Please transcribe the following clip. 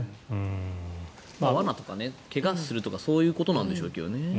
罠とか怪我するとかそういうことなんでしょうけど。